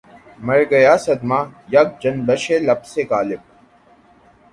مرگیا صدمہٴ یک جنبشِ لب سے غالب